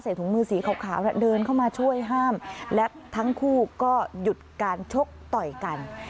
ถุงมือสีขาวเดินเข้ามาช่วยห้ามและทั้งคู่ก็หยุดการชกต่อยกัน